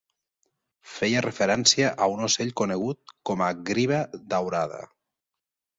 Feia referència a un ocell conegut com a griva daurada.